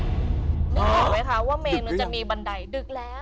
นึกออกไหมคะว่าเมนูจะมีบันไดดึกแล้ว